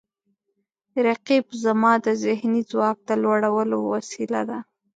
رقیب زما د ذهني ځواک د لوړولو وسیله ده